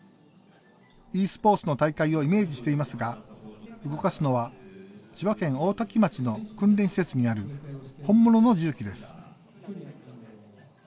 ｅスポーツの大会をイメージしていますが動かすのは、千葉県大多喜町の訓練施設にある本物の重機です。